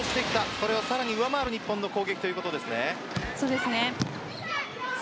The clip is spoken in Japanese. それをさらに上回る日本の攻撃というところですね。